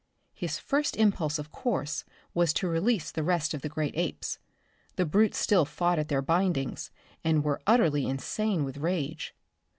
His first impulse of course was to release the rest of the great apes. The brutes still fought at their bindings and were utterly insane with rage.